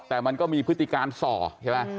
แต่มันก็มีพฤติการส่อใช่ไหม